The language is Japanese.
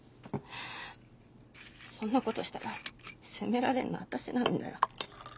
そんなことしたら責められるのは私なんだよ。